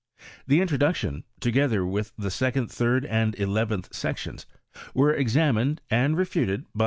The introduction, together with the second, third, and eleventh sections were examined and refuted by M.